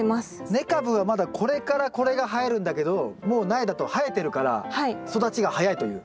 根株はまだこれからこれが生えるんだけどもう苗だと生えてるから育ちが早いという。